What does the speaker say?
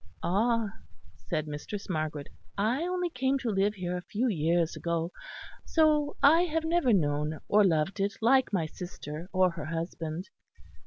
"Ah!" said Mistress Margaret "I only came to live here a few years ago; so I have never known or loved it like my sister or her husband.